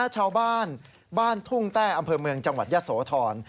ชาวบ้านบ้านทุ่งแต้อำเภอเมืองจังหวัดยะโสธร